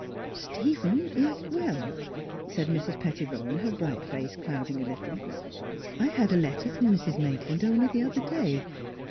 " Stephen is well," said Mrs. Pettibone, her bright face clouding a little. " I had a letter from Mrs. Maitland only the other day.